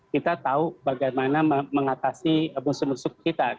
kita tahu bagaimana mengatasi musuh musuh kita